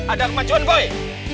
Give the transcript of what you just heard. ada kemajuan boy